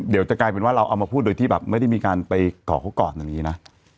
เดี๋ยวจะกลายเป็นว่าเราเอามาพูดโดยที่แบบไม่ได้มีการไปก่อเขาก่อนอย่างนี้นะ